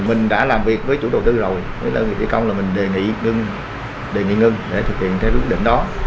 mình đã làm việc với chủ đầu tư rồi với đơn vị thi công là mình đề nghị ngưng để thực hiện theo quyết định đó